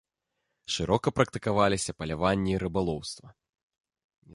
Шырока практыкаваліся паляванне і рыбалоўства.